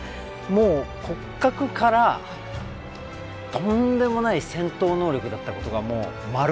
もう骨格からとんでもない戦闘能力だったことがもう丸分かり。